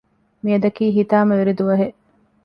މިއަދަކީ ހިތާމަވެރި ދުވަހެއް